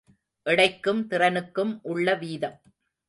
எடைக்கும் திறனுக்கும் உள்ள வீதம்.